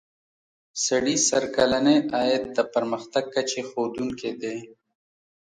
سړي سر کلنی عاید د پرمختګ کچې ښودونکی دی.